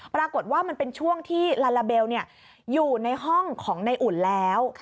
ปรากฏว่ามันเป็นช่วงที่ลาลาเบลอยู่ในห้องของในอุ่นแล้ว